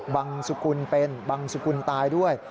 บังสุกุลเป็นบังสุกุลตายด้วย